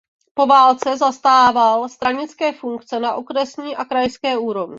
Po válce zastával stranické funkce na okresní a krajské úrovni.